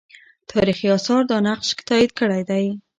تاریخي آثار دا نقش تایید کړی دی.